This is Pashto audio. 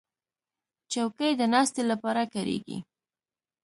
چوکۍ د ناستې لپاره کارېږي.